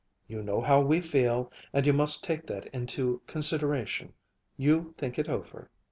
You know how we feel, and you must take that into consideration. You think it over."